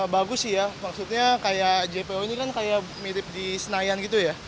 bagus sih ya maksudnya kayak jpo ini kan kayak mirip di senayan gitu ya